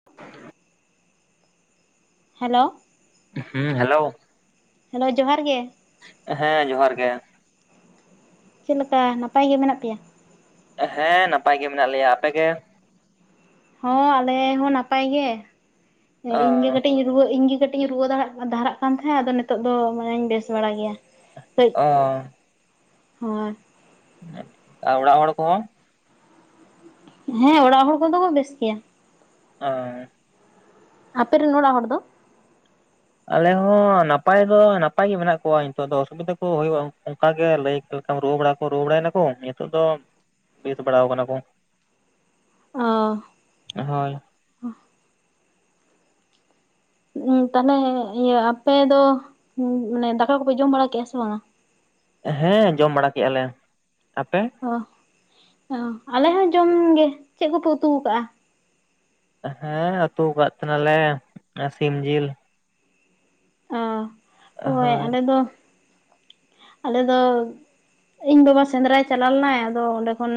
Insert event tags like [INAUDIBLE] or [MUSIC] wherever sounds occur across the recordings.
[UNINTELLIGIBLE] Hello. ᱦᱩᱸ hello. Hello ᱡᱚᱦᱟᱨ ᱜᱮ ᱾ ᱦᱮᱸ ᱡᱚᱦᱟᱨ ᱜᱮ᱾ ᱪᱮᱫ ᱞᱮᱠᱟ ᱱᱟᱯᱟᱭ ᱜᱮ ᱢᱮᱱᱟᱜ ᱯᱮᱭᱟ? ᱦᱮᱸ ᱱᱟᱯᱟᱭ ᱜᱮ ᱢᱮᱱᱟᱜ ᱞᱮᱭᱟ, ᱟᱯᱮ ᱜᱮ? ᱦᱚᱸ ᱟᱞᱮ ᱦᱚᱸ ᱱᱟᱯᱟᱭ ᱜᱮ ᱚ ᱤᱧ ᱜᱮ ᱠᱟᱹᱴᱤᱡ ᱤᱧ ᱨᱩᱣᱟᱹ ᱤᱧ ᱜᱮ ᱠᱟᱹᱴᱤᱡ ᱤᱧ ᱨᱩᱣᱟᱹ ᱫᱷᱟᱨᱟᱜ ᱠᱟᱱ ᱛᱟᱦᱮᱸᱫ ᱟᱫᱚ ᱱᱤᱛᱚᱜ ᱫᱚ ᱢᱟᱱᱮᱧ ᱵᱮᱥ ᱵᱟᱲᱟ ᱜᱮᱭᱟ ᱾ ᱚᱻ [UNINTELLIGIBLE] ᱦᱮᱸ, ᱟᱨ ᱚᱲᱟᱜ ᱦᱚᱲ ᱠᱚᱦᱚᱸ? ᱦᱮᱸ, ᱚᱲᱟᱜ ᱦᱚᱲ ᱠᱚᱫᱚ ᱠᱚ ᱵᱮᱥ ᱜᱮᱭᱟ ᱾ ᱚᱸᱻ ᱟᱯᱮ ᱨᱮᱱ ᱚᱲᱟᱜ ᱦᱚᱲ ᱫᱚ? ᱟᱞᱮ ᱦᱚᱸ ᱱᱟᱯᱟᱭ ᱫᱚ ᱱᱟᱯᱟᱭ ᱜᱮ ᱢᱮᱱᱟᱜ ᱠᱚᱣᱟ ᱱᱤᱛᱚᱜ ᱫᱚ ᱚᱥᱩᱵᱤᱫᱟ ᱠᱚ ᱦᱩᱭᱩᱜᱼᱟ [UNINTELLIGIBLE] ᱚᱱᱠᱟ ᱜᱮ ᱞᱟᱹᱭ ᱞᱮᱠᱟᱢ ᱨᱩᱣᱟ ᱵᱟᱲᱟ ᱠᱚ ᱨᱩᱣᱟ ᱵᱟᱲᱟᱭᱱᱟᱠᱚ, ᱱᱤᱛᱚᱜ ᱫᱚ ᱵᱮᱥ ᱵᱟᱲᱟᱣ ᱠᱟᱱᱟ ᱠᱚ ᱾ ᱚᱻ ᱦᱳᱭ ᱾ ᱩᱸᱜ ᱛᱟᱦᱚᱞᱮ ᱤᱭᱟᱹ ᱟᱯᱮ ᱫᱚ ᱢᱟᱱᱮ ᱫᱟᱠᱟ ᱠᱚᱯᱮ ᱡᱚᱢ ᱵᱟᱲᱟ ᱠᱮᱜᱼᱟ ᱥᱮ ᱵᱟᱝᱼᱟ? ᱦᱮᱸ ᱡᱚᱢ ᱵᱟᱲᱟ ᱠᱮᱜᱼᱟ ᱞᱮ ᱾ ᱟᱯᱮ? ᱚ ᱚ ᱟᱞᱮ ᱦᱚᱸ ᱡᱚᱢ ᱜᱮ, ᱪᱮᱫ ᱠᱚᱯᱮ ᱩᱛᱩ ᱠᱟᱜᱼᱟ? ᱦᱮᱸ ᱟᱹᱛᱩ ᱟᱠᱟᱫ ᱛᱟᱦᱮᱱᱟᱞᱮ ᱥᱤᱢ ᱡᱤᱞ ᱾ ᱚ ᱦᱳᱭ ᱟᱞᱮᱫᱚ ᱟᱞᱮᱫᱚ ᱤᱧ ᱵᱟᱵᱟ ᱥᱮᱸᱫᱽᱨᱟᱭ ᱪᱟᱞᱟᱣ ᱞᱮᱱᱟᱭ ᱟᱫᱚ ᱚᱸᱰᱮ ᱠᱷᱚᱱ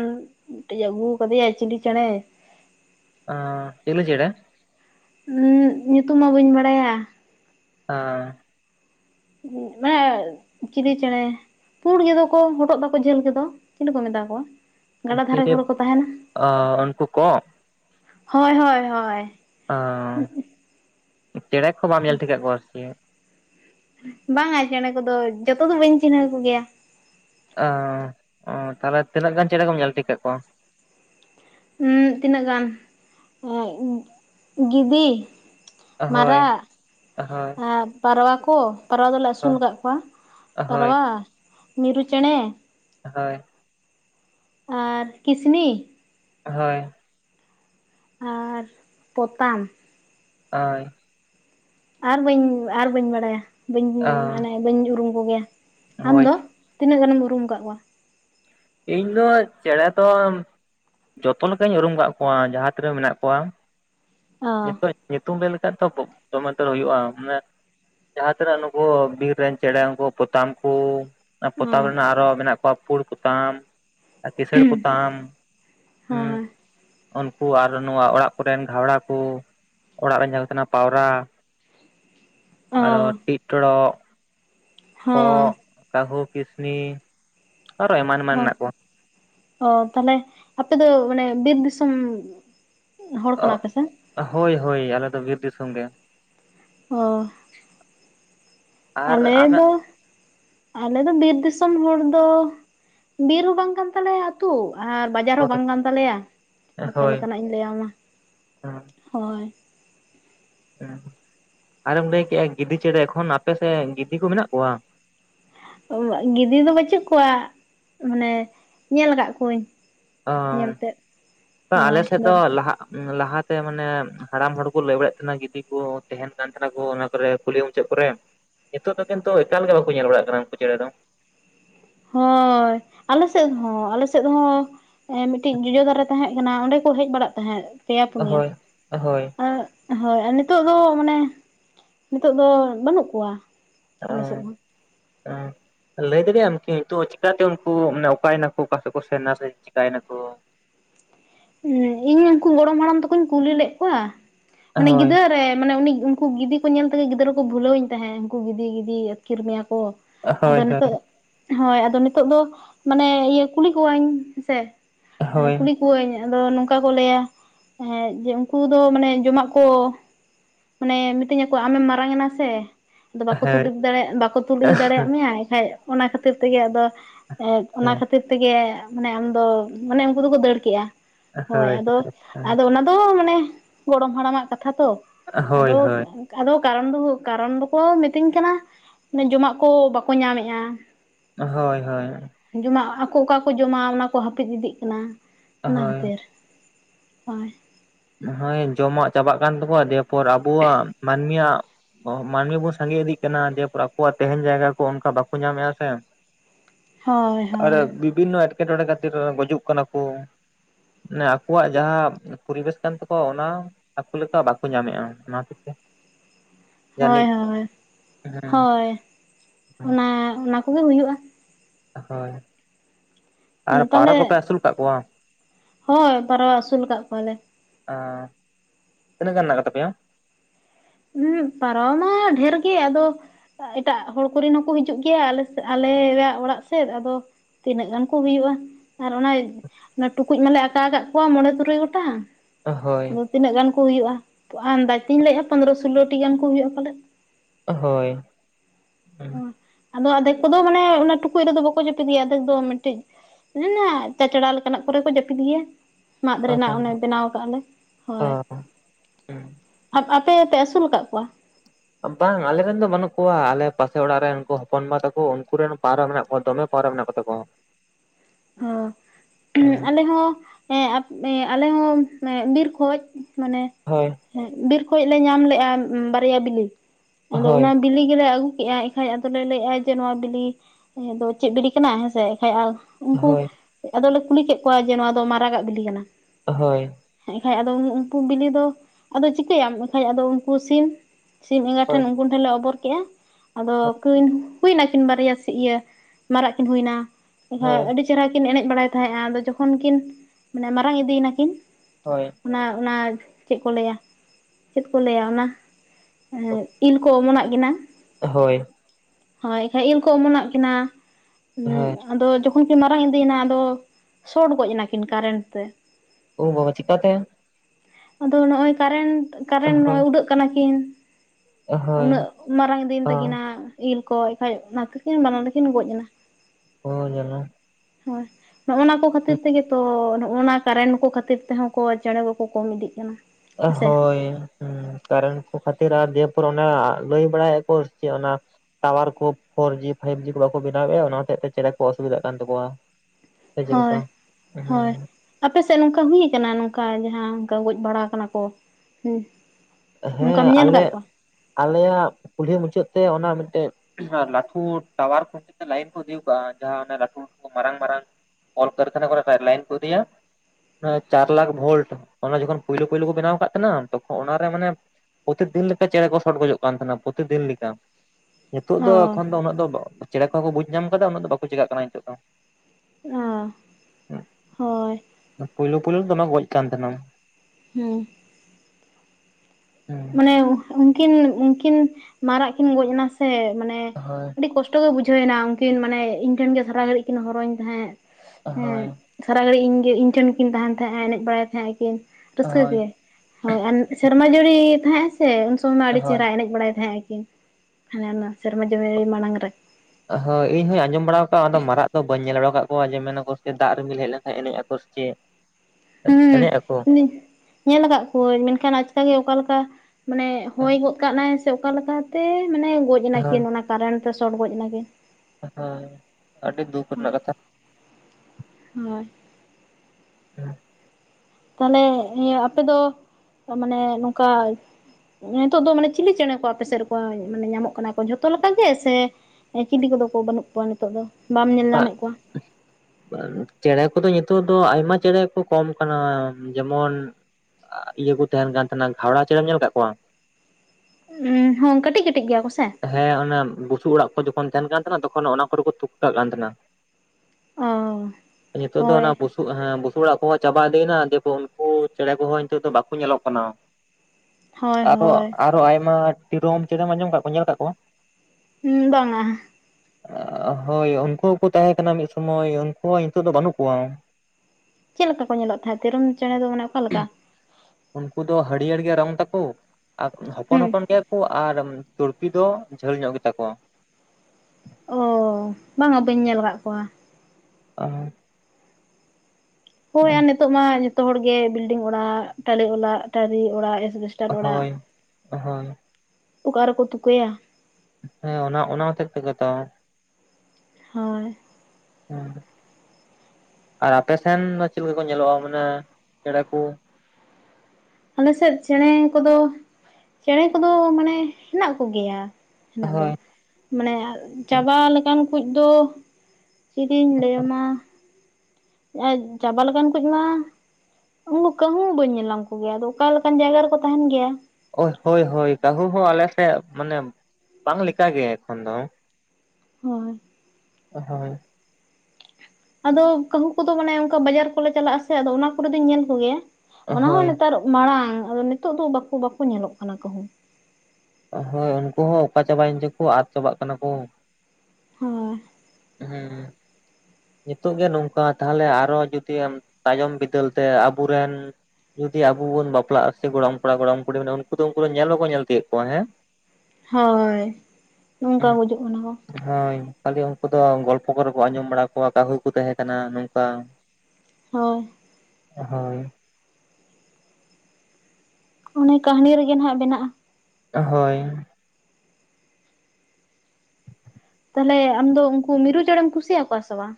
ᱢᱤᱫᱴᱤᱡ ᱟᱹᱜᱩ ᱟᱠᱟᱫᱮᱭᱟᱭ ᱪᱤᱞᱤ ᱪᱮᱬᱮ! ᱚᱻ ᱪᱮᱞᱮ ᱪᱮᱲᱮ? ᱩᱸᱜ ᱧᱩᱛᱩᱢ ᱢᱟ ᱵᱟᱹᱧ ᱵᱟᱲᱟᱭᱟ ᱾ ᱚᱸᱻ ᱩᱸᱜ ᱢᱟᱱᱮ ᱪᱤᱞᱤ ᱪᱮᱸᱬᱮ! ᱯᱩᱲ ᱜᱮᱫᱚ ᱠᱚ ᱦᱚᱴᱚᱜ ᱫᱟᱠᱚ ᱡᱷᱟᱹᱞ ᱜᱮᱫᱚ, ᱪᱮᱞᱮ ᱠᱚ ᱢᱮᱛᱟ ᱠᱚᱣᱟ? ᱜᱟᱰᱟ ᱫᱷᱟᱨᱮ ᱠᱚᱨᱮ ᱠᱚ ᱛᱟᱦᱮᱱᱟ [INAUDIBLE] ᱚ ᱩᱱᱠᱩ ᱠᱚᱸᱜ! ᱦᱳᱭ ᱦᱳᱭ ᱦᱳᱭ ᱾ ᱚᱻ ᱪᱮᱸᱬᱮ ᱠᱚᱦᱚ ᱵᱟᱢ ᱧᱮᱞ ᱴᱷᱤᱠᱟᱹ ᱮᱫ ᱠᱚᱣᱟ ᱥᱮ ᱪᱮᱫ! ᱵᱟᱝᱟ ᱪᱮᱸᱬᱮ ᱠᱚᱫᱚ ᱡᱚᱛᱚ ᱫᱚ ᱵᱟᱹᱧ ᱪᱤᱱᱦᱟᱹᱣ ᱠᱚᱜᱮᱭᱟ ᱾ ᱚ ᱚ ᱛᱟᱦᱚᱞᱮ ᱛᱤᱱᱟᱹᱜ ᱜᱟᱱ ᱪᱮᱸᱬᱮ ᱠᱚᱢ ᱧᱮᱞ ᱴᱷᱤᱠᱟᱹ ᱠᱚᱣᱟ? ᱩᱸ ᱛᱤᱱᱟᱹᱜ ᱜᱟᱱ! ᱮᱸᱜ ᱜᱤᱫᱤ ᱦᱳᱭ ᱢᱟᱨᱟᱜ ᱦᱳᱭ ᱟᱨ ᱯᱟᱨᱣᱟ ᱠᱚ, ᱯᱟᱨᱣᱟ ᱫᱚᱞᱮ ᱟᱹᱥᱩᱞ ᱦᱳᱭ ᱟᱠᱟᱫ ᱠᱚᱣᱟ ᱾ ᱦᱳᱭ ᱯᱟᱨᱣᱟ, ᱢᱤᱨᱩ ᱪᱮᱸᱬᱮ ᱦᱳᱭ ᱾ ᱟᱨ ᱠᱤᱥᱱᱤ, ᱦᱳᱭ ᱾ ᱟᱨ ᱯᱚᱛᱟᱢ, ᱦᱳᱭ ᱾ ᱟᱨ ᱵᱟᱹᱧ ᱟᱨ ᱵᱟᱹᱧ ᱵᱟᱲᱟᱭᱟ, ᱵᱟᱹᱧ ᱚ ᱢᱟᱱᱮ ᱵᱟᱹᱧ ᱩᱨᱩᱢ ᱠᱚᱜᱮᱭᱟ ᱾ ᱦᱳᱭ ᱟᱢᱫᱚ ᱛᱤᱱᱟᱹ ᱜᱟᱱᱮᱢ ᱩᱨᱩᱢ ᱟᱠᱟᱫ ᱠᱚᱣᱟ? ᱤᱧ ᱫᱚ ᱪᱮᱸᱬᱮ ᱛᱚᱢ ᱡᱚᱛᱚ ᱞᱮᱠᱟᱧ ᱩᱨᱩᱢ ᱟᱠᱟᱫ ᱠᱚᱣᱟ ᱡᱟᱦᱟᱸ ᱛᱤᱱᱟᱹᱜ ᱢᱮᱱᱟᱜ ᱠᱚᱣᱟ, ᱱᱤᱛᱚᱜ ᱧᱩᱛᱩᱢ ᱞᱟᱹᱭ ᱞᱮᱠᱷᱟᱡ ᱛᱚ ᱫᱚᱢᱮ ᱩᱛᱟᱹᱨ ᱦᱩᱭᱩᱜᱼᱟ, ᱢᱟᱱᱮ ᱡᱟᱦᱟᱸ ᱛᱤᱱᱟᱹᱜ ᱱᱩᱠᱩ ᱵᱤᱨ ᱨᱮᱱ ᱪᱮᱸᱬᱮ ᱩᱝᱠᱩ ᱯᱚᱛᱟᱢ ᱠᱚ, ᱯᱚᱛᱟᱢ ᱨᱮᱱᱟᱜ ᱟᱨᱚ ᱢᱮᱱᱟᱜ ᱠᱚᱣᱟ ᱯᱩᱲ ᱯᱚᱛᱟᱢ, ᱟᱨ ᱠᱤᱥᱟᱹᱲ ᱯᱚᱛᱟᱢ, ᱦᱩᱸ ᱾ ᱩᱱᱠᱩ ᱟᱨ ᱱᱚᱣᱟ ᱚᱲᱟᱜ ᱠᱚᱨᱮᱱ ᱜᱷᱟᱣᱲᱟ ᱠᱚ, ᱚᱲᱟᱜ ᱨᱮᱱ ᱡᱟᱦᱟᱸ ᱠᱚ ᱛᱟᱦᱮᱱᱟ ᱯᱟᱣᱨᱟ ᱾ ᱚ ᱦᱚᱸ ᱟᱨᱚ ᱚ ᱴᱤᱜ ᱴᱚᱲᱚᱜ, ᱠᱚᱸᱜ, ᱦᱚᱸ ᱠᱟᱹᱦᱩ, ᱠᱤᱥᱱᱤ ᱟᱨᱚ ᱮᱢᱟᱱ ᱮᱢᱟᱱ ᱚ ᱢᱮᱱᱟᱜ ᱠᱚᱣᱟ ᱾ ᱚ ᱛᱟᱦᱚᱞᱮ ᱟᱯᱮ ᱫᱚ ᱢᱟᱱᱮ ᱵᱤᱨ ᱫᱤᱥᱚᱢ ᱦᱚᱲ ᱠᱟᱱᱟ ᱯᱮ ᱥᱮ? ᱦᱳᱭ ᱦᱳᱭ ᱟᱞᱮ ᱫᱚ ᱵᱤᱨ ᱫᱤᱥᱚᱢ ᱜᱮᱼᱼ ᱚ ᱟᱨ ᱟᱞᱮ ᱟᱢᱟᱜ ᱫᱚᱼᱼ ᱟᱞᱮ ᱫᱚ ᱵᱤᱨ ᱫᱤᱥᱚᱢ ᱦᱚᱲ ᱫᱚ ᱵᱤᱨ ᱦᱚᱸ ᱵᱟᱝ ᱠᱟᱱ ᱛᱟᱞᱮᱭᱟ ᱟᱹᱛᱩ ᱟᱨᱼᱼ ᱵᱟᱡᱟᱨ ᱦᱚᱸ ᱦᱳᱭ ᱵᱟᱝ ᱠᱟᱱ ᱛᱟᱞᱮᱭᱟ ᱚᱠᱟ ᱦᱳᱭ ᱞᱮᱠᱟᱱᱟᱜ ᱤᱧ ᱞᱟᱹᱭ ᱟᱢᱟ ᱦᱳᱭᱼᱼ ᱟᱨᱮᱢ ᱞᱟᱹᱭ ᱠᱮᱫ-ᱟ ᱜᱤᱫᱤ ᱪᱮᱸᱬᱮ ᱮᱠᱷᱚᱱ ᱟᱯᱮ ᱥᱮᱫ ᱜᱤᱫᱤ ᱠᱚ ᱢᱮᱱᱟᱜ ᱠᱚᱣᱟ ᱜᱤᱫᱤ ᱫᱚ ᱵᱟᱹᱪᱩᱜ ᱠᱚᱣᱟ ᱢᱟᱱᱮ ᱧᱮᱞ ᱟᱠᱟᱫ ᱠᱚᱣᱟ ᱤᱧᱼᱼ ᱚ ᱟᱞᱮ ᱦᱳᱭ ᱥᱮᱫ ᱫᱚ ᱞᱟᱦᱟᱜ ᱞᱟᱦᱟ ᱛᱮ ᱢᱟᱱᱮᱼᱼ ᱦᱟᱲᱟᱢ ᱦᱚᱲ ᱠᱚ ᱞᱟᱹᱭ ᱵᱟᱲᱟᱭ ᱮᱫ ᱛᱟᱦᱮᱱᱟ ᱜᱤᱫᱤ ᱠᱚ ᱛᱟᱦᱮᱱ ᱠᱟᱱ ᱛᱟᱦᱮᱱᱟ ᱠᱚ ᱚᱱᱟ ᱠᱚᱨᱮ ᱠᱩᱞᱤ ᱢᱩᱪᱟᱹᱫ ᱠᱚᱨᱮ ᱱᱤᱛᱚᱜ ᱫᱚ ᱠᱤᱱᱛᱩ ᱮᱠᱟᱞ ᱜᱮ ᱵᱟᱠᱚ ᱧᱮᱞ ᱵᱟᱲᱟᱜ ᱠᱟᱱᱟ ᱩᱱᱠᱩ ᱪᱮᱸᱬᱮ ᱫᱚ ᱦᱳᱭ ᱟᱞᱮ ᱥᱮᱫ ᱦᱚᱸ ᱟᱞᱮ ᱥᱮᱫ ᱦᱚᱸᱼᱼ ᱮᱸ ᱢᱤᱫᱴᱤᱡ ᱡᱚᱡᱚ ᱫᱟᱨᱮ ᱛᱟᱦᱮᱸ ᱠᱟᱱᱟ ᱚᱸᱰᱮ ᱠᱚ ᱦᱮᱡ ᱵᱟᱲᱟᱜ ᱛᱟᱦᱮᱡ ᱯᱮᱭᱟ ᱯᱩᱱᱭᱟ ᱦᱳᱭ ᱦᱳᱭ ᱮᱼᱼ ᱦᱳᱭ ᱟᱨ ᱱᱤᱛᱚᱜ ᱫᱚ ᱢᱟᱱᱮ ᱱᱤᱛᱚᱜ ᱫᱚ ᱵᱟᱹᱱᱩᱜ ᱠᱚᱣᱟ ᱟᱞᱮ ᱥᱮᱫ ᱦᱚᱸ [UNINTELLIGIBLE] ᱞᱟᱹᱭ ᱫᱟᱲᱮᱭᱟᱜ ᱟᱢ ᱠᱤᱱᱛᱩ ᱪᱮᱠᱟ ᱛᱮ ᱩᱱᱠᱩ ᱢᱟᱱᱮ ᱚᱠᱟᱭ ᱱᱟᱠᱚ ᱚᱠᱟ ᱥᱮᱫ ᱠᱚ ᱥᱮᱱᱟ ᱥᱮ ᱪᱤᱠᱟᱭ ᱱᱟᱠᱚ ᱦᱩᱸ ᱤᱧ ᱩᱱᱠᱩ ᱜᱚᱲᱚᱢ ᱦᱟᱲᱟᱢ ᱛᱟᱠᱩᱧ ᱠᱩᱞᱤ ᱞᱮᱫ ᱠᱚᱣᱟ ᱢᱟᱱᱮ ᱜᱤᱫᱽᱨᱟᱹ ᱨᱮ ᱢᱟᱱᱮ ᱩᱱᱤᱼᱼ ᱩᱱᱠᱩ ᱜᱤᱫᱤ ᱠᱚ ᱧᱮᱞ ᱛᱮᱜᱮ ᱜᱤᱫᱽᱨᱟᱹ ᱠᱚ ᱵᱷᱩᱞᱟᱹᱣ ᱤᱧ ᱛᱟᱦᱮᱸᱫ ᱩᱱᱠᱩ ᱜᱤᱫᱤ ᱜᱤᱫᱤ ᱟᱹᱛᱠᱤᱨ ᱢᱮᱭᱟ ᱠᱚ ᱟᱫᱚ ᱱᱤᱛᱳᱜ ᱦᱳᱭ ᱟᱫᱚ ᱱᱤᱛᱳᱜ ᱫᱚ ᱢᱟᱱᱮ ᱤᱭᱟᱹ ᱠᱩᱞᱤ ᱠᱚᱭᱤᱧ ᱦᱮᱸ ᱥᱮᱼᱼ ᱠᱩᱞᱤ ᱠᱚᱣᱟᱹᱧ ᱟᱫᱚ ᱱᱚᱝᱠᱟ ᱠᱚ ᱞᱟᱹᱭᱟ ᱡᱮ ᱩᱱᱠᱩ ᱫᱚ ᱢᱟᱱᱮ ᱡᱚᱢᱟᱜ ᱠᱚᱼᱼ ᱢᱟᱱᱮ ᱢᱤᱛᱟᱹᱧ ᱟᱠᱚ ᱟᱢᱮᱢ ᱢᱟᱨᱟᱝ ᱱᱟᱥᱮᱼᱼ ᱟᱫᱚ ᱵᱟᱠᱚ ᱛᱩᱞ ᱤᱫᱤ ᱫᱟᱲᱮᱭᱟᱜ ᱵᱟᱠᱚ ᱛᱩᱞ ᱤᱫᱤ ᱫᱟᱲᱮᱭᱟᱜ ᱢᱮᱭᱟ ᱮᱱᱠᱷᱟᱡ ᱚᱱᱟ ᱠᱷᱟᱹᱛᱤᱨ ᱛᱮᱜᱮ ᱟᱫᱚᱼᱼ ᱦᱮᱸ ᱚᱱᱟ ᱠᱷᱟᱹᱛᱤᱨ ᱛᱮᱜᱮ ᱢᱟᱱᱮ ᱟᱢᱫᱚ ᱢᱟᱱᱮ ᱩᱱᱠᱩ ᱫᱚᱠᱚ ᱫᱟᱹᱲ ᱠᱮᱜᱼᱟ ᱦᱳᱭ ᱟᱫᱚ ᱟᱫᱚ ᱚᱱᱟ ᱫᱚ ᱢᱟᱱᱮ ᱜᱚᱲᱚᱢ ᱦᱟᱲᱟᱢᱟᱜ ᱠᱟᱛᱷᱟ ᱛᱚᱼᱼ ᱦᱳᱭ, ᱟᱫᱚᱼᱼ ᱟᱫᱚ ᱠᱟᱨᱚᱱ ᱫᱚ ᱠᱟᱨᱚᱱ ᱫᱚᱠᱚ ᱢᱤᱛᱟᱹᱧ ᱠᱟᱱᱟ [UNINTELLIGIBLE] ᱡᱚᱢᱟᱜ ᱠᱚ ᱵᱟᱠᱚ ᱧᱟᱢᱮᱫᱼᱟ ᱦᱳᱭ ᱦᱳᱭ ᱡᱚᱢᱟᱜ ᱟᱠᱚ ᱚᱠᱟ ᱠᱚ ᱡᱚᱢᱟ ᱚᱱᱟ ᱠᱚ ᱦᱟᱹᱯᱤᱫ ᱤᱫᱤᱜ ᱠᱟᱱᱟ ᱚᱱᱟ ᱠᱷᱟᱹᱛᱤᱨᱼᱼ ᱦᱳᱭ ᱦᱳᱭ ᱡᱚᱢᱟᱜ ᱪᱟᱵᱟᱜ ᱠᱟᱱ ᱛᱟᱠᱚᱣᱟ ᱫᱤᱭᱮ ᱯᱚᱨ ᱟᱵᱚᱣᱟᱜ ᱢᱟᱹᱱᱢᱤᱭᱟᱜᱼᱼ ᱚ ᱢᱟᱹᱱᱢᱤ ᱵᱚᱱ ᱥᱟᱸᱜᱮ ᱤᱫᱤᱜ ᱠᱟᱱᱟ ᱫᱤᱭᱮ ᱯᱚᱨ ᱟᱠᱚᱣᱟᱜ ᱛᱟᱦᱮᱱ ᱡᱟᱭᱜᱟ ᱠᱚ ᱚᱱᱠᱟ ᱵᱟᱠᱚ ᱧᱟᱢᱮᱫᱼᱟ ᱥᱮ ᱦᱳᱭ ᱟᱨ ᱦᱳᱭ [UNINTELLIGIBLE] ᱵᱤᱵᱷᱤᱱᱱᱚ ᱮᱴᱠᱮᱴᱚᱬᱮ ᱠᱷᱟᱹᱛᱤᱨ ᱜᱩᱡᱩᱜ ᱠᱟᱱᱟ ᱠᱚ ᱢᱟᱱᱮ ᱟᱠᱚᱣᱟᱜ ᱡᱟᱦᱟᱸ ᱯᱚᱨᱤᱵᱮᱥᱼᱼ ᱠᱟᱱ ᱛᱟᱠᱚᱣᱟ ᱚᱱᱟ ᱟᱠᱚ ᱞᱮᱠᱟ ᱵᱟᱠᱚ ᱧᱟᱢᱮᱫᱼᱟ ᱚᱱᱟ ᱦᱚᱛᱮᱡ ᱛᱮᱼᱼ ᱦᱚᱭ ᱦᱚᱭ ᱦᱳᱭ ᱦᱮᱸ ᱦᱳᱭ ᱚᱱᱟ ᱚᱱᱟ ᱠᱚᱜᱮ ᱦᱩᱭᱩᱜᱼᱟ ᱦᱳᱭ ᱟᱨ ᱯᱟᱣᱨᱟ ᱠᱚᱯᱮ ᱛᱟᱦᱚᱞᱮ ᱟᱹᱥᱩᱞ ᱠᱟᱜ ᱠᱚᱣᱟ ᱦᱳᱭ ᱯᱟᱣᱨᱟ ᱟᱹᱥᱩᱞ ᱟᱠᱟᱫ ᱠᱚᱣᱟᱞᱮ ᱚ ᱛᱤᱱᱟᱹᱜ ᱜᱟᱱ ᱢᱮᱱᱟᱜ ᱠᱚ ᱛᱟᱯᱮᱭᱟ ᱦᱩᱸ ᱯᱟᱨᱣᱟ ᱢᱟ ᱰᱷᱮᱨ ᱜᱮ ᱟᱫᱚᱼᱼ ᱮᱴᱟᱜ ᱦᱚᱲ ᱠᱚᱨᱮᱱ ᱦᱚᱸ ᱠᱚ ᱦᱤᱡᱩᱜ ᱜᱮᱭᱟ ᱟᱞᱮ ᱟᱞᱮᱭᱟᱜ ᱚᱲᱟᱜ ᱥᱮᱫ ᱟᱫᱚᱼᱼ ᱛᱤᱱᱟᱹᱜ ᱜᱟᱱ ᱠᱚ ᱦᱩᱭᱩᱜᱼᱟ ᱟᱨ ᱚᱱᱟᱼᱼ ᱚᱱᱟ ᱴᱩᱠᱩᱡ ᱢᱟᱞᱮ ᱟᱠᱟ ᱟᱠᱟᱫ ᱠᱚᱣᱟ ᱢᱚᱬᱮ ᱛᱩᱨᱩᱭ ᱜᱚᱴᱟᱝ ᱚ ᱦᱳᱭ ᱟᱫᱚ ᱛᱤᱱᱟᱹᱜ ᱜᱟᱱ ᱠᱚ ᱦᱩᱭᱩᱜᱼᱟ ᱟᱱᱫᱟᱡᱽ ᱛᱤᱧ ᱞᱟᱹᱭᱮᱫᱼᱟ ᱯᱚᱱᱨᱚ ᱥᱳᱞᱞᱳ ᱴᱤ ᱜᱟᱱ ᱠᱚ ᱦᱩᱭᱩᱜᱼᱟ ᱯᱟᱞᱮᱫ ᱦᱳᱭ ᱦᱳᱭ ᱟᱫᱚ ᱟᱫᱷᱮᱠ ᱠᱚᱫᱚ ᱢᱟᱱᱮ ᱚᱱᱟ ᱴᱩᱠᱩᱡ ᱨᱮᱫᱚ ᱵᱟᱠᱚ ᱡᱟᱹᱯᱤᱫ ᱜᱮᱭᱟ ᱟᱫᱮᱠ ᱫᱚ ᱢᱤᱫᱴᱤᱡ ᱢᱮᱱᱟ ᱪᱟᱪᱲᱟ ᱞᱮᱠᱟᱱᱟᱜ ᱠᱚᱨᱮ ᱠᱚ ᱡᱟᱹᱯᱤᱫ ᱜᱮᱭᱟ। ᱢᱟᱫᱽ ᱨᱮᱱᱟᱜ ᱚᱱᱮ ᱵᱮᱱᱟᱣ ᱠᱟᱜ ᱞᱮ ᱦᱳᱭ। ᱟᱨ ᱟᱯᱮ ᱯᱮ ᱟᱹᱥᱩᱞ ᱟᱠᱟᱫ ᱠᱚᱣᱟ? ᱵᱟᱝ ᱟᱞᱮᱨᱮᱱ ᱫᱚ ᱵᱟᱹᱱᱩᱜ ᱠᱚᱣᱟ ᱟᱞᱮ ᱯᱟᱥᱮ ᱚᱲᱟᱜ ᱨᱮᱱ ᱩᱱᱠᱩ ᱦᱚᱯᱚᱱ ᱵᱟ ᱛᱟᱠᱚ ᱩᱱᱠᱩ ᱨᱮᱱ ᱯᱟᱣᱨᱟ ᱢᱮᱱᱟᱜ ᱠᱚᱣᱟ ᱫᱚᱢᱮᱼᱼ ᱯᱟᱣᱨᱟ ᱢᱮᱱᱟᱜ ᱠᱚ ᱛᱟᱠᱚᱣᱟ। ᱦᱚᱸ ᱩᱸᱜ ᱟᱞᱮ ᱦᱚᱸᱼᱼ ᱦᱮᱸ ᱟᱯ ᱮ ᱟᱞᱮ ᱦᱚᱸ ᱮᱸ ᱵᱤᱨ ᱠᱷᱚᱡ ᱢᱟᱱᱮᱼᱼ ᱦᱳᱭ ᱮᱸᱜ ᱵᱤᱨ ᱠᱷᱚᱡ ᱞᱮ ᱧᱟᱢ ᱞᱮᱜᱼᱟ ᱵᱟᱨᱭᱟ ᱵᱤᱞᱤ ᱟᱫᱚ ᱦᱳᱭ ᱚᱱᱟᱼᱼ ᱵᱤᱞᱤ ᱜᱮᱞᱮ ᱟᱹᱜᱩ ᱠᱮᱜᱼᱟ ᱮᱱᱠᱷᱟᱡ ᱟᱫᱚᱞᱮ ᱞᱟᱹᱭᱮᱫᱼᱟ ᱡᱮ ᱱᱚᱣᱟ ᱵᱤᱞᱤᱼᱼ ᱟᱫᱚ ᱪᱮᱫ ᱵᱤᱞᱤ ᱠᱟᱱᱟ ᱦᱮᱸᱥᱮ ᱮᱱᱠᱷᱟᱡ ᱟᱨ ᱩᱱᱠᱩ ᱦᱳᱭ ᱟᱫᱚᱞᱮ ᱠᱩᱞᱤ ᱠᱮᱫ ᱠᱚᱣᱟ ᱡᱮ ᱱᱚᱣᱟ ᱫᱚ ᱢᱟᱨᱟᱜᱟᱜ ᱵᱤᱞᱤ ᱠᱟᱱᱟ। ᱦᱳᱭ ᱮᱠᱷᱷᱟᱡ ᱟᱫᱚ ᱩᱱᱠᱩ ᱵᱤᱞᱤ ᱫᱚ ᱟᱫᱚ ᱪᱤᱠᱟᱹᱭᱟᱢ ᱮᱱᱠᱷᱟᱡ ᱟᱫᱚ ᱩᱱᱠᱩ ᱥᱤᱢ ᱥᱤᱢ ᱮᱸᱜᱟ ᱦᱳᱭ ᱴᱷᱮᱱ ᱩᱱᱠᱩᱱ ᱴᱷᱮᱱ ᱞᱮ ᱚᱵᱚᱨ ᱠᱮᱫᱼᱟ ᱟᱫᱚ ᱠᱟᱹᱱ ᱦᱩᱭ ᱱᱟᱠᱤᱱ ᱵᱟᱨᱭᱟ ᱤᱭᱟᱹ ᱢᱟᱨᱟᱜ ᱠᱤᱱ ᱦᱩᱭᱱᱟ ᱦᱳᱭ ᱦᱮᱸ ᱟᱹᱰᱤ ᱪᱮᱨᱦᱟ ᱠᱤᱱ ᱮᱱᱮᱡ ᱵᱟᱲᱟᱭ ᱛᱟᱦᱮᱸᱜᱼᱟ ᱟᱫᱚ ᱡᱚᱠᱷᱚᱱ ᱠᱤᱱ ᱢᱟᱱᱮ ᱢᱟᱨᱟᱝ ᱤᱫᱤᱭᱮᱱᱟᱠᱤᱱᱼᱼ ᱦᱳᱭ ᱚᱱᱟ ᱚᱱᱟ ᱪᱮᱫ ᱠᱚ ᱞᱟᱹᱭᱟ ᱪᱮᱫ ᱠᱚ ᱞᱟᱹᱭᱟ ᱚᱱᱟᱼᱼ ᱮᱸᱜ ᱤᱞ ᱠᱚ ᱚᱢᱚᱱᱟᱜ ᱠᱤᱱᱟᱼᱼ ᱦᱳᱭ ᱦᱳᱭ ᱮᱱᱠᱷᱟ ᱤᱞ ᱠᱚ ᱚᱢᱚᱱᱟᱜ ᱠᱤᱱᱟ ᱦᱳᱭ ᱟᱫᱚ ᱡᱚᱠᱷᱚᱱ ᱠᱤᱱ ᱢᱟᱨᱟᱝ ᱤᱫᱤᱭᱮᱱᱟ ᱟᱫᱚ ᱥᱚᱴ ᱜᱚᱡ ᱮᱱᱟ ᱠᱤᱱ ᱠᱟᱨᱮᱱᱴ ᱛᱮ। ᱳ ᱵᱟᱵᱟ ᱪᱮᱠᱟᱛᱮ ᱟᱫᱚ ᱱᱚᱜᱚᱭ ᱠᱟᱨᱮᱱᱴ ᱠᱟᱨᱮᱱᱴ ᱦᱳᱭ ᱱᱚᱜᱼᱚᱭ ᱩᱰᱟᱹᱜ ᱠᱟᱱᱟ ᱠᱤᱱ ᱦᱳᱭ ᱩᱱᱟᱹᱜ ᱢᱟᱨᱟᱝ ᱫᱤᱱ ᱚ ᱛᱟᱹᱠᱤᱱᱟ ᱤᱞ ᱠᱚ ᱮᱱᱠᱷᱟᱡ ᱚᱱᱟ ᱛᱮᱠᱤᱱ ᱵᱟᱱᱟ ᱜᱮᱠᱤᱱ ᱜᱚᱡ ᱮᱱᱟ। ᱚ ᱡᱟᱞᱟ। ᱦᱳᱭ ᱱᱚᱜᱼᱚᱱᱟ ᱠᱚ ᱠᱷᱟᱹᱛᱤᱨ ᱛᱮᱜᱮ ᱛᱚ ᱱᱚᱜᱼᱚᱱᱟ ᱠᱟᱨᱮᱱᱴ ᱠᱚ ᱠᱷᱟᱹᱛᱤᱨ ᱛᱮᱦᱚᱸ ᱠᱚ ᱪᱮᱸᱬᱮ ᱠᱚᱠᱚ ᱠᱚᱢ ᱤᱫᱤᱜ ᱠᱟᱱᱟ। ᱦᱮᱸᱥᱮ ᱦᱳᱭ। ᱦᱩᱸ ᱠᱟᱨᱮᱱᱴ ᱠᱚ ᱠᱷᱟᱹᱛᱤᱨ ᱟᱨ ᱫᱤᱭᱮᱯᱚᱨ ᱚᱱᱟ ᱞᱟᱹᱭ ᱵᱟᱲᱟᱭᱮᱫ ᱠᱚ ᱥᱮᱪᱮᱫ ᱚᱱᱟᱼᱼ ᱴᱟᱣᱟᱨ ᱠᱚ ᱯᱷᱳᱨᱡᱤ ᱯᱷᱟᱭᱤᱵ ᱡᱤ ᱠᱚ ᱵᱟᱠᱚ ᱵᱮᱱᱟᱣᱮᱫᱼᱟ ᱚᱱᱟ ᱦᱚᱛᱮᱡ ᱛᱮ ᱪᱮᱬᱮ ᱠᱚ ᱚᱥᱩᱵᱤᱫᱷᱟᱜ ᱠᱟᱱ ᱛᱟᱠᱚᱣᱟ। ᱥᱮ ᱪᱮᱫ ᱦᱳᱭ ᱞᱮᱠᱟ ᱦᱳᱭ। ᱦᱮᱸ ᱟᱯᱮ ᱥᱮᱫ ᱱᱚᱝᱠᱟ ᱦᱩᱭ ᱠᱟᱱᱟ ᱱᱚᱝᱠᱟ ᱡᱟᱦᱟᱸ ᱚᱱᱠᱟ ᱜᱚᱡ ᱵᱟᱲᱟ ᱠᱟᱱᱟ ᱠᱚ ᱦᱩᱸ। ᱦᱮᱸ ᱟᱞᱮᱼᱼ ᱟᱞᱮᱭᱟᱜ ᱠᱩᱞᱦᱤ ᱢᱩᱪᱟᱹᱫ ᱛᱮ ᱚᱱᱟ ᱢᱤᱫᱴᱮᱡ ᱞᱟᱴᱩ ᱴᱟᱣᱟᱨᱼᱼ ᱞᱟᱭᱤᱱ ᱠᱚ ᱤᱫᱤ ᱠᱟᱜᱼᱟ ᱡᱟᱦᱟᱸ ᱞᱟᱹᱴᱩ ᱞᱟᱹᱴᱩ ᱢᱟᱨᱟᱝ ᱢᱟᱨᱟᱝ ᱚᱞᱠᱟᱨᱠᱷᱟᱱᱟ ᱠᱚ ᱞᱟᱭᱤᱱ ᱠᱚ ᱤᱫᱤᱭᱟ ᱮᱸ ᱪᱟᱨ ᱞᱟᱠᱷ ᱵᱷᱳᱞᱴ ᱚᱱᱟ ᱡᱚᱠᱷᱚᱱ ᱯᱳᱭᱞᱳ ᱯᱳᱭᱞᱳ ᱠᱚ ᱵᱮᱱᱟᱣ ᱟᱠᱟᱫ ᱛᱟᱦᱮᱱᱟ ᱛᱚᱠᱷᱚᱱ ᱚᱱᱟᱼᱼ ᱠᱚᱨᱮ ᱢᱟᱱᱮ ᱯᱨᱚᱛᱤᱫᱤᱱ ᱞᱮᱠᱟ ᱪᱮᱸᱬᱮ ᱠᱚ ᱥᱚᱴ ᱜᱚᱡᱚᱜ ᱠᱟᱱ ᱛᱟᱦᱮᱱᱟ ᱯᱨᱚᱛᱤᱫᱤᱱ ᱞᱮᱠᱟ। ᱱᱤᱛᱳᱜ ᱫᱚ ᱮᱠᱷᱚᱱ ᱫᱚ ᱚ ᱩᱱᱟᱹᱜ ᱫᱚ ᱪᱮᱸᱬᱮ ᱠᱚᱦᱚᱸ ᱠᱚ ᱵᱩᱡᱽ ᱧᱟᱢ ᱠᱟᱫᱟ ᱩᱱᱟᱹᱜ ᱫᱚ ᱵᱟᱠᱚ ᱪᱮᱠᱟᱜ ᱠᱟᱱᱟ ᱱᱤᱛᱚᱜ ᱚ ᱦᱳᱭ ᱫᱚ। ᱯᱳᱭᱞᱳ ᱯᱳᱭᱞᱳ ᱫᱚᱢᱮ ᱜᱚᱡ ᱠᱟᱱ ᱛᱟᱦᱮᱱᱟ। ᱦᱩᱸ ᱦᱩᱸ ᱢᱟᱱᱮ ᱩᱱᱠᱤᱱ ᱩᱱᱠᱤᱱ ᱢᱟᱨᱟᱜ ᱠᱤᱱ ᱜᱚᱡ ᱮᱱᱟ ᱥᱮ ᱢᱟᱱᱮ ᱦᱳᱭ ᱟᱹᱰᱤ ᱠᱚᱥᱴᱚᱼᱼ ᱠᱚᱥᱴᱚ ᱜᱮ ᱵᱩᱡᱷᱟᱹᱣᱱᱟ ᱩᱱᱠᱤᱱ ᱢᱟᱱᱮ ᱤᱧ ᱴᱷᱮᱱ ᱜᱮ ᱥᱟᱨᱟ ᱜᱷᱟᱹᱲᱤᱡ ᱠᱤᱱ ᱦᱚᱨᱚᱧ ᱛᱟᱦᱮᱸᱜ ᱦᱮᱸ। ᱦᱳᱭ ᱥᱟᱨᱟ ᱜᱷᱟᱹᱨᱤᱡ ᱤᱧ ᱜᱮ ᱤᱧ ᱴᱷᱮᱱ ᱠᱤᱱ ᱛᱟᱦᱮᱱ ᱛᱟᱦᱮᱸᱡ ᱮᱱᱮᱡ ᱵᱟᱲᱟᱭ ᱛᱟᱦᱮᱸᱡ ᱠᱤᱱ ᱨᱟᱹᱥᱠᱟᱹ ᱦᱳᱭ ᱜᱮ ᱾ ᱦᱳᱭ ᱟᱨ ᱥᱮᱨᱢᱟ ᱡᱟᱹᱲᱤ ᱛᱟᱦᱮᱸᱡ ᱥᱮ ᱩᱱ ᱥᱚᱢᱚᱭ ᱢᱟ ᱟᱹᱰᱤ ᱦᱳᱭ ᱪᱮᱦᱨᱟ ᱮᱱᱮᱡ ᱵᱟᱲᱟᱭ ᱛᱟᱦᱮᱸᱜ ᱟᱠᱤᱱ ᱾ ᱦᱟᱱᱮ ᱚᱱᱟ ᱥᱮᱨᱢᱟ ᱡᱟᱹᱲᱤ ᱢᱟᱲᱟᱝ ᱨᱮ ᱾ ᱟ ᱦᱳ ᱤᱧ ᱦᱚᱸᱧ ᱟᱸᱡᱚᱢ ᱵᱟᱲᱟ ᱟᱠᱟᱜᱼᱟ ᱚᱱᱟᱫᱚ ᱢᱟᱨᱟᱜ ᱫᱚ ᱵᱟᱹᱧ ᱧᱮᱞ ᱵᱟᱲᱟ ᱠᱟᱜ ᱠᱚᱣᱟ ᱡᱮ ᱢᱮᱱᱟ ᱠᱚ ᱥᱮ ᱫᱟᱜ ᱨᱤᱢᱤᱞ ᱦᱮᱡ ᱞᱮᱱᱠᱷᱟᱱ ᱮᱱᱮᱡ ᱟᱠᱚ ᱥᱮ ᱪᱮᱫ? [INAUDIBLE] ᱦᱩᱸ ᱮᱱᱮᱡ ᱟᱠᱚ ᱤᱧ ᱧᱮᱞ ᱟᱠᱟᱫ ᱠᱚᱣᱟᱹᱧ ᱢᱮᱱᱠᱷᱟᱱ ᱟᱪᱠᱟ ᱜᱮ ᱚᱠᱟ ᱞᱮᱠᱟ ᱢᱟᱱᱮ ᱦᱚᱭ ᱜᱚᱫ ᱠᱟᱜ ᱱᱟᱭ ᱥᱮ ᱚᱠᱟ ᱞᱮᱠᱟᱛᱮ ᱢᱟᱱᱮ ᱜᱚᱡ ᱦᱳᱭ ᱱᱟᱠᱤᱱ ᱚᱱᱟ ᱠᱟᱨᱮᱱᱴ ᱛᱮ ᱥᱚᱴ ᱜᱚᱡ ᱱᱟᱠᱤᱱ ᱾ ᱦᱮᱸ ᱦᱳᱭ ᱟᱹᱰᱤ ᱫᱩᱠ ᱨᱮᱱᱟᱜ ᱠᱟᱛᱷᱟ᱾ ᱦᱳᱭ, ᱦᱩᱸ, ᱛᱟᱦᱞᱮ ᱤᱭᱟᱹ ᱟᱯᱮ ᱫᱚ ᱚ ᱢᱟᱱᱮ ᱱᱚᱝᱠᱟ ᱱᱤᱛᱚᱜ ᱫᱚ ᱢᱟᱱᱮ ᱪᱤᱞᱤ ᱪᱮᱸᱬᱮ ᱠᱚ ᱟᱯᱮ ᱥᱮᱫ ᱨᱮᱠᱚ ᱢᱟᱱᱮ ᱧᱟᱢᱚᱜ ᱠᱟᱱᱟ ᱠᱚ ᱡᱷᱚᱛᱚ ᱞᱮᱠᱟ ᱜᱮ ᱥᱮ ᱮ ᱪᱤᱞᱤ ᱠᱚᱫᱚ ᱠᱚ ᱵᱟᱹᱱᱩᱜ ᱠᱚᱣᱟ ᱱᱤᱛᱚᱜ ᱫᱚ ᱵᱟᱢ ᱧᱮᱞ ᱧᱟᱢᱮᱫ ᱠᱚᱣᱟ? [INAUDIBLE] ᱪᱮᱸᱬᱮ ᱠᱚᱫᱚ ᱱᱤᱛᱚᱜ ᱫᱚ ᱟᱭᱢᱟ ᱪᱮᱸᱬᱮ ᱠᱚ ᱠᱚᱢ ᱠᱟᱱᱟ ᱡᱮᱢᱚᱱ ᱤᱭᱟᱹ ᱠᱚ ᱛᱟᱦᱮᱱ ᱠᱟᱱ ᱛᱟᱦᱮᱱᱟ ᱜᱷᱟᱣᱲᱟ ᱪᱮ‍ᱸᱬᱮᱢ ᱧᱮᱞ ᱠᱟᱜ ᱠᱚᱣᱟ? ᱩᱢ ᱦᱚᱸ ᱠᱟᱹᱴᱤᱡ ᱠᱟᱹᱴᱤᱡ ᱜᱮᱭᱟ ᱠᱚᱥᱮ? ᱦᱮᱸ ᱚᱱᱟ ᱵᱩᱥᱩᱵ ᱚᱲᱟᱜ ᱠᱚ ᱡᱚᱠᱷᱚᱱ ᱛᱟᱦᱮᱱ ᱠᱟᱱ ᱛᱟᱦᱮᱱᱟ ᱛᱚᱠᱷᱚᱱ ᱚᱱᱟ ᱠᱚᱨᱮ ᱠᱚ ᱛᱩᱠᱟᱹᱜ ᱠᱟᱱ ᱛᱟᱦᱮᱱᱟ ᱾ ᱚ ᱱᱤᱛᱚᱜ ᱫᱚ ᱦᱳᱭ ᱚᱱᱟ ᱵᱩᱥ ᱦᱮᱸ ᱵᱩᱥᱩᱵ ᱚᱲᱟᱜ ᱠᱚᱦᱚᱸ ᱪᱟᱵᱟ ᱤᱫᱤᱭᱮᱱᱟ ᱫᱤᱭᱮ ᱩᱱᱠᱩ ᱪᱮᱸᱬᱮ ᱠᱚᱦᱚᱸ ᱱᱤᱛᱚᱜ ᱫᱚ ᱵᱟᱠᱚ ᱧᱮᱞᱚᱜ ᱠᱟᱱᱟ ᱦᱳᱭ ᱾ ᱟᱨᱚ ᱦᱳᱭ ᱟᱨᱚ ᱟᱭᱢᱟ ᱴᱤᱨᱚᱢ ᱪᱮᱸᱬᱮᱢ ᱟᱸᱡᱚᱢ ᱠᱟᱜ ᱠᱚ ᱧᱮᱞ ᱠᱟᱜ ᱠᱚᱣᱟ? ᱦᱩᱸ ᱵᱟᱝ-ᱟ ᱾ [INAUDIBLE] ᱦᱳᱭ ᱩᱱᱠᱩ ᱦᱚᱸᱠᱩ ᱛᱟᱦᱮᱸ ᱠᱟᱱᱟ ᱢᱤᱫ ᱥᱚᱢᱚᱭ ᱩᱱᱠᱩ ᱦᱚᱸ ᱱᱤᱛᱚᱜ ᱫᱚ ᱵᱟᱹᱱᱩᱜ ᱠᱚᱣᱟ ᱾ ᱪᱮᱜ ᱞᱮᱠᱟ ᱠᱚ ᱧᱮᱞᱚᱜ ᱛᱟᱦᱮᱸᱫ ᱛᱤᱨᱚᱢ ᱪᱮᱸᱬᱮ ᱫᱚ ᱢᱟᱱᱮ ᱚᱠᱟᱞᱮᱠᱟ? ᱩᱱᱠᱩ ᱫᱚ ᱦᱟᱹᱨᱭᱟᱹᱲ ᱜᱮ ᱨᱚᱝ ᱛᱟᱠᱚ ᱟᱨ ᱦᱚᱯᱚᱱ ᱦᱩᱸ ᱦᱚᱯᱚᱱ ᱜᱮ ᱠᱩ ᱟᱨ ᱪᱩᱲᱯᱤ ᱫᱚ ᱡᱷᱟᱹᱞ ᱧᱚᱜ ᱜᱮᱛᱟ ᱠᱚ ᱾ ᱚᱸ ᱵᱟᱝ-ᱟ ᱵᱟᱹᱧ ᱧᱮᱞ ᱠᱟᱜ ᱠᱚᱣᱟ ᱾ ᱚᱸ ᱦᱳᱭ ᱟᱨ ᱱᱤᱛᱚᱜ ᱢᱟ ᱡᱷᱚᱛᱚ ᱦᱚᱲ ᱜᱮ ᱵᱤᱞᱰᱤᱝ ᱚᱲᱟᱜ ᱴᱟᱞᱮ ᱚᱞᱟᱜ ᱴᱟᱹᱨᱤ ᱚᱲᱟᱜ ᱮᱥᱵᱮᱥ ᱛᱟᱨ ᱚᱲᱟᱜ ᱦᱳᱭ ᱦᱳᱭ ᱚᱠᱟ ᱨᱮᱠᱚ ᱛᱩᱠᱟᱹᱭᱟ? ᱦᱮᱸ ᱚᱱᱟ ᱚᱱᱟ ᱦᱚᱛᱮᱫ ᱛᱮᱜᱮ ᱛᱚ ᱾ ᱦᱳᱭ, ᱦᱩᱸ ᱟᱨ ᱟᱯᱮ ᱥᱮᱱ ᱫᱚ ᱪᱤᱞ ᱞᱮᱠᱟ ᱠᱚ ᱧᱮᱞᱚᱜᱼᱟ ᱢᱟᱱᱮ ᱪᱮᱬᱮ ᱠᱩ? ᱟᱞᱮ ᱥᱮᱫ ᱪᱮᱬᱮ ᱠᱚᱫᱚ ᱪᱮᱬᱮ ᱠᱚᱫᱚ ᱢᱟᱱᱮ ᱦᱮᱱᱟᱜ ᱠᱚᱜᱮᱭᱟ ᱾ ᱦᱮᱱᱟᱜ ᱫᱚ ᱦᱳᱭ᱾ ᱾ ᱢᱟᱱᱮ ᱪᱟᱵᱟ ᱞᱮᱠᱟᱱ ᱠᱩᱡ ᱫᱚ ᱪᱮᱫᱤᱧ ᱞᱟᱹᱭ ᱟᱢᱟ ᱟᱡ ᱪᱟᱵᱟ ᱞᱮᱠᱟᱱ ᱠᱩᱡᱢᱟ ᱩᱱᱩᱜ ᱠᱟᱹᱦᱩ ᱵᱟᱹᱧ ᱧᱮᱞᱟᱢ ᱠᱚᱜᱮᱭᱟ ᱟᱫᱚ ᱚᱠᱟ ᱞᱮᱠᱟᱱ ᱡᱟᱭᱜᱟ ᱨᱮᱠᱚ ᱛᱟᱦᱮᱱ ᱜᱮᱭᱟ᱾ ᱳᱦ ᱦᱳᱭ ᱦᱳᱭ ᱠᱟᱹᱦᱩ ᱦᱚᱸ ᱟᱞᱮ ᱥᱮᱜ ᱢᱟᱱᱮ ᱵᱟᱝ ᱞᱮᱠᱟ ᱜᱮ ᱮᱠᱷᱚᱱ ᱫᱚ᱾ ᱦᱚᱭ, ᱚ ᱦᱚᱭ, ᱟᱫᱚ ᱠᱟᱹᱦᱩ ᱠᱚᱫᱚ ᱢᱟᱱᱮ ᱚᱱᱠᱟ ᱵᱟᱡᱟᱨ ᱠᱚᱞᱮ ᱪᱟᱞᱟᱜ ᱟᱥᱮ ᱟᱫᱚ ᱚᱱᱟ ᱠᱚᱨᱮ ᱫᱩᱧ ᱧᱮᱞ ᱠᱚ ᱜᱮᱭᱟ ᱚᱱᱟᱦᱚᱸ ᱦᱳᱭ ᱱᱮᱛᱟᱨ ᱢᱟᱲᱟᱝ ᱟᱫᱚ ᱱᱮᱛᱚᱜ ᱫᱚ ᱵᱟᱠᱩ ᱵᱟᱠᱚ ᱧᱮᱞᱚᱜ ᱠᱟᱱᱟ ᱠᱟᱹᱦᱩ ᱾ ᱦᱳᱭ ᱩᱱᱠᱩ ᱦᱚᱸ ᱚᱠᱟ ᱪᱟᱵᱟᱭᱮᱱ ᱪᱚᱠᱩ ᱟᱫ ᱪᱟᱵᱟᱜ ᱠᱟᱱᱟ ᱠᱚ ᱾ ᱦᱚᱭ, ᱦᱩᱸ ᱱᱤᱛᱚᱜ ᱜᱮ ᱱᱚᱝᱠᱟ ᱛᱟᱦᱞᱮ ᱟᱨᱚ ᱡᱩᱫᱤ ᱛᱟᱭᱚᱢ ᱵᱤᱫᱟᱹᱞᱛᱮ ᱟᱵᱚᱨᱮᱱ ᱡᱩᱫᱤ ᱟᱵᱩ ᱵᱚᱱ ᱵᱟᱯᱞᱟᱜᱼᱟ ᱥᱮ ᱜᱚᱲᱚᱢ ᱠᱚᱲᱟ ᱜᱚᱲᱚᱢ ᱠᱩᱲᱤ ᱢᱟᱱᱮ ᱩᱱᱠᱩ ᱫᱚ ᱩᱱᱠᱩ ᱫᱚ ᱧᱮᱞ ᱵᱟᱠᱚ ᱧᱮᱞ ᱛᱤᱭᱟᱹᱜ ᱠᱚᱣᱟ ᱦᱮᱸ? ᱦᱳᱭ, ᱱᱚᱝᱠᱟ ᱜᱩᱡᱩᱜ ᱠᱟᱱᱟ ᱠᱚ ᱾ ᱦᱳᱭ ᱠᱷᱟᱞᱤ ᱩᱱᱠᱩ ᱫᱚ ᱜᱚᱞᱯᱚ ᱠᱚᱨᱮ ᱠᱚ ᱟᱸᱡᱚᱢ ᱵᱟᱲᱟ ᱠᱚᱣᱟ, ᱠᱟᱹᱦᱩ ᱠᱚ ᱛᱟᱦᱮᱸ ᱠᱟᱱᱟ ᱱᱚᱝᱠᱟ ᱦᱳᱭ᱾ ᱦᱳᱭ᱾ ᱚᱱᱮ ᱠᱟᱹᱦᱱᱤ ᱨᱮᱜᱮ ᱱᱟᱦᱟᱸᱜ ᱵᱮᱱᱟᱜᱼᱟ ᱾ ᱦᱳᱭ᱾ ᱛᱟᱦᱞᱮ ᱟᱢᱫᱚ ᱩᱝᱠᱩ ᱢᱤᱨᱩ ᱪᱮᱬᱮᱢ ᱠᱩᱥᱤᱭᱟᱠᱚᱣᱟ ᱥᱮ ᱵᱟᱝ?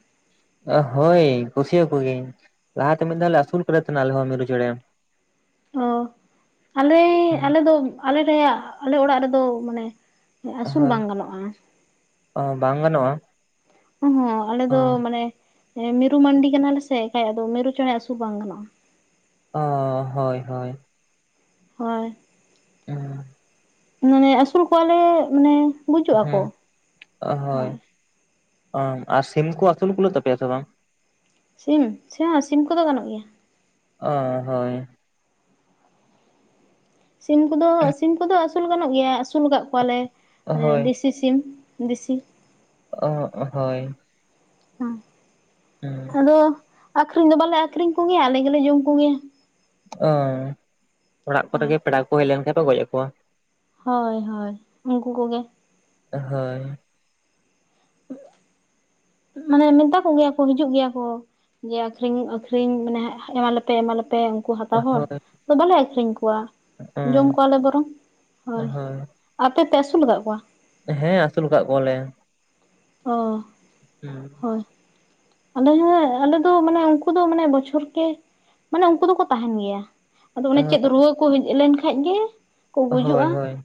ᱦᱳᱭ ᱠᱩᱥᱤᱭᱟᱠᱚ ᱜᱤᱭᱟᱹᱧ, ᱞᱟᱦᱟᱛᱮ ᱢᱤᱫ ᱫᱷᱟᱣ ᱞᱮ ᱟᱹᱥᱩᱞ ᱠᱟᱫᱮ ᱛᱟᱦᱮᱸᱱᱟ ᱟᱞᱮ ᱦᱚᱸ ᱢᱤᱨᱩ ᱪᱮᱬᱮ ᱾ ᱚ, ᱟᱞᱮᱭ ᱟᱞᱮ ᱫᱚ ᱟᱞᱮ ᱨᱮᱭᱟ ᱟᱞᱮ ᱚᱲᱟᱜ ᱨᱮᱫᱚ ᱢᱟᱱᱮ ᱟᱹᱥᱩᱞ ᱵᱟᱝ ᱜᱟᱱᱚᱜᱼᱟ ᱾ ᱚ, ᱵᱟᱝ ᱜᱟᱱᱚᱜᱼᱟ? ᱚᱸ ᱦᱚᱸᱜ ᱟᱞᱮ ᱫᱚ ᱢᱟᱱᱮ, ᱢᱤᱨᱩ ᱢᱟᱱᱰᱤ ᱠᱟᱱᱟᱞᱮ ᱥᱮ ᱮᱠᱷᱟᱡ ᱟᱫᱚ ᱢᱤᱨᱩ ᱪᱮᱲᱮ ᱟᱹᱥᱩᱞ ᱵᱟᱝ ᱜᱟᱱᱚᱜᱼᱟ ᱾ ᱚ, ᱦᱳᱭ ᱦᱳᱭ᱾ ᱦᱳᱭ᱾ ᱩᱸ᱾ ᱢᱟᱱᱮ ᱟᱹᱥᱩᱞ ᱠᱚᱣᱟᱞᱮ ᱢᱟᱱᱮ ᱵᱩᱡᱩᱜ ᱟᱠᱚ ᱦᱳᱭ ᱾ ᱚ ᱟᱨ ᱥᱤᱢ ᱠᱚ ᱟᱹᱥᱩᱞ ᱠᱩᱞᱟᱹᱜ ᱛᱟᱯᱮᱭᱟ ᱥᱮ ᱵᱟᱝ? ᱥᱤᱢ, ᱥᱤᱢ ᱠᱚᱫᱚ ᱜᱟᱱᱚᱜ ᱜᱮᱭᱟ ᱾ ᱚ ᱦᱳᱭ᱾ ᱥᱤᱢ ᱠᱚᱫᱚ, ᱥᱤᱢ ᱠᱚᱫᱚ ᱟᱹᱥᱩᱞ ᱜᱟᱱᱚᱜ ᱜᱮᱭᱟ ᱟᱹᱥᱩᱞ ᱠᱟᱫ ᱠᱚᱣᱟᱞᱮ ᱮᱸᱜ ᱦᱳᱭ ᱫᱤ ᱥᱤᱢ ᱫᱤᱥᱤ ᱾ ᱚᱜ ᱦᱳᱭ᱾ ᱦᱚᱸ ᱟᱫᱚ ᱟᱠᱷᱨᱤᱧ ᱫᱚ ᱵᱟᱞᱮ ᱟᱠᱷᱨᱤᱧ ᱠᱚ ᱜᱮᱭᱟ ᱟᱞᱮ ᱜᱮᱞᱮ ᱡᱚᱢ ᱠᱚᱜᱮᱭᱟ ᱾ ᱚ, ᱚᱲᱟᱜ ᱠᱚᱨᱮ ᱦᱳᱭ ᱜᱮ ᱯᱮᱲᱟ ᱠᱚ ᱦᱮᱡ ᱞᱮᱱᱠᱷᱟᱱ ᱠᱚ ᱜᱚᱡᱮᱜ ᱠᱚᱣᱟ? ᱦᱳᱭ ᱦᱳᱭ, ᱩᱝᱠᱩ ᱠᱚᱜᱮ ᱾ ᱦᱳᱭ᱾ ᱢᱟᱱᱮ, ᱢᱮᱛᱟ ᱠᱚ ᱜᱮᱭᱟ ᱠᱚ ᱦᱤᱡᱩᱜ ᱜᱮᱭᱟ ᱠᱚ ᱾ ᱡᱮ ᱟᱠᱷᱨᱤᱧ ᱟᱠᱷᱨᱤᱧ ᱢᱟᱱᱮ ᱮᱢᱟᱞᱮᱯᱮ ᱮᱢᱟᱞᱮᱯᱮ, ᱠᱩ ᱦᱟᱛᱟᱣ ᱦᱚᱲ ᱦᱳᱭ ᱵᱟᱞᱮ ᱟᱹᱠᱷᱨᱤᱧ ᱠᱚᱣᱟ, ᱡᱚᱢ ᱠᱚᱣᱟᱞᱮ ᱵᱚᱨᱚᱝ, ᱦᱳᱭ ᱾ ᱟᱯᱮ ᱯᱮ ᱟᱹᱥᱩᱞ ᱠᱟᱜ ᱠᱚᱣᱟ? ᱦᱮᱸ, ᱟᱹᱥᱩᱞ ᱠᱟᱜ ᱠᱚᱣᱟᱞᱮ ᱾ ᱚ᱾ ᱦᱩᱸ᱾ ᱦᱳᱭ ᱟᱞᱮ ᱜᱮ ᱟᱞᱮ ᱫᱚ ᱢᱟᱱᱮ ᱩᱱᱠᱩ ᱫᱚ ᱢᱟᱱᱮ ᱵᱚᱪᱷᱚᱨ ᱠᱮ ᱢᱟᱱᱮ ᱩᱝᱠᱩ ᱫᱚᱠᱚ ᱛᱟᱦᱮᱸᱱ ᱜᱮᱭᱟ, ᱟᱫᱚ ᱚᱱᱮ ᱪᱮᱫ ᱨᱩᱣᱟᱹ ᱠᱚ ᱦᱮᱡ ᱞᱮᱱᱠᱷᱟᱡ ᱜᱮ, ᱠᱚ ᱦᱳᱭ ᱜᱩᱡᱩᱜᱼᱟ ᱦᱳᱭ᱾